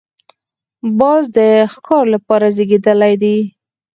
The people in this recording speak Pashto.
باز د ښکار لپاره زېږېدلی دی